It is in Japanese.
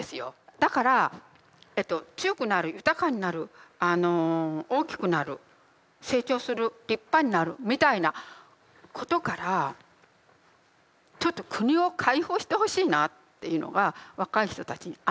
だから強くなる豊かになる大きくなる成長する立派になるみたいなことからちょっと国を解放してほしいなっていうのは若い人たちにあって。